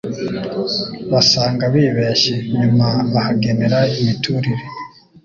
basanga bibeshye, nyuma bahagenera imiturire,